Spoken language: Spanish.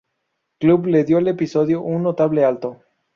Club" le dio al episodio un Notable alto.